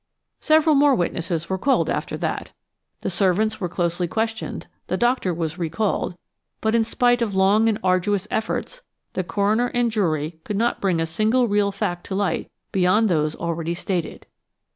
Several more witnesses were called after that. The servants were closely questioned, the doctor was recalled, but, in spite of long and arduous efforts, the coroner and jury could not bring a single real fact to light beyond those already stated.